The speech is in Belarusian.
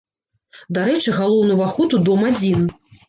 Дарэчы, галоўны ўваход у дом адзін.